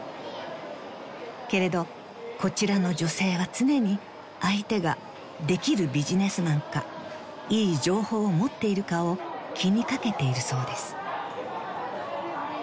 ［けれどこちらの女性は常に相手ができるビジネスマンかいい情報を持っているかを気に掛けているそうです］